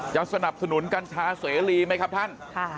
สนับสนุนกัญชาเสรีไหมครับท่าน